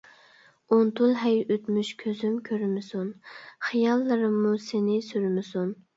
ئۇنتۇل ھەي ئۆتمۈش كۆزۈم كۆرمىسۇن، خىياللىرىممۇ سىنى سۈرمىسۇن.